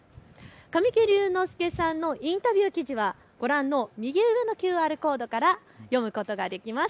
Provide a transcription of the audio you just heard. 神木隆之介さんのインタビュー記事はご覧の右上のＱＲコードから読むことができます。